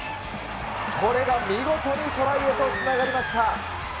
これが見事にトライへとつながりました。